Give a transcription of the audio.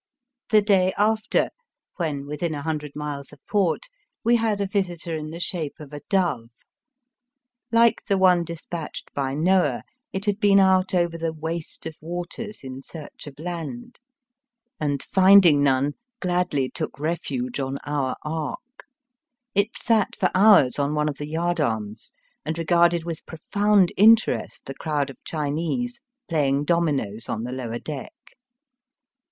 The day after, when within a hundred miles of port, we had a visitor in the shape of a dove. Like the one despatched by Noah, it had been out over the waste of waters in search of land, and finding none Digitized by V:»00QIC THE HEATHEN CHINEE. 165 gladly took refuge on our ark. It sat for hours on one of the yardarms, and regarded with profound interest the crowd of Chinese playing dominoes on the lower deck.